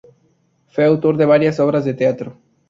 Fue autor de varias obras de teatro.